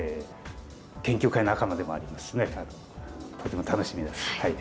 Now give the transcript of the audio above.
研究会仲間でもありますしねとても楽しみです。